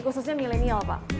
khususnya milenial pak